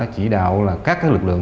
chỉ đạo là các cái lực lượng